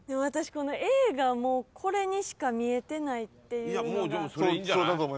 私このＡがもうこれにしか見えてないっていうのが。